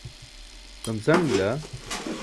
samsaṅ bila